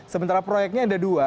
sementara proyeknya ada dua